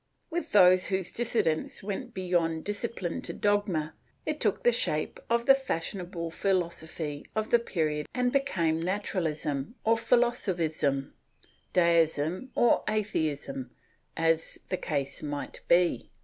With those whose dissidence went beyond disci pline to dogma, it took the shape of the fashionable philosophy of the period and became Naturalism or Philosophism, Deism or Atheism, as the case might be.